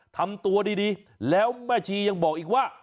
ทำตัวดีแล้วแม่ชียังบอกอีกว่า